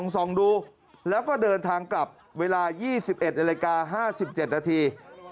ส่องดูแล้วก็เดินทางกลับเวลา๒๑นาฬิกา๕๗นาที